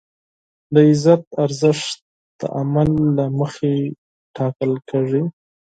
د عزت ارزښت د عمل له مخې ټاکل کېږي.